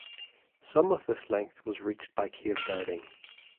Some of this length was reached by cave diving.